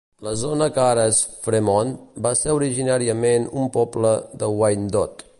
La zona que ara és Fremont va ser originàriament un poble de Wyandot.